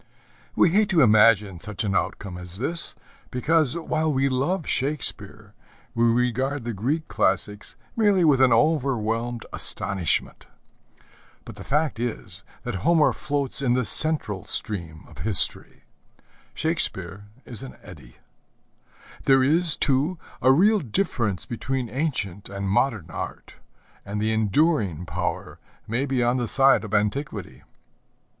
We hate to imagine such an outcome as this, because, while we love Shakespeare, we regard the Greek classics merely with an overwhelmed astonishment. But the fact is that Homer floats in the central stream of History, Shakespeare in an eddy. There is, too, a real difference between ancient and modern art, and the enduring power may be on the side of antiquity.